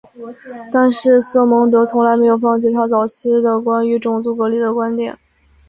但是瑟蒙德从来没有放弃他早期的关于种族隔离的观点。